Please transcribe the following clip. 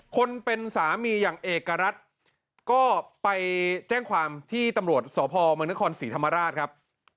คนเป็นสามีอย่างเอกรัฐก็ไปแจ้งความที่ตำรวจสพเมืองนครศรีธรรมราชครับ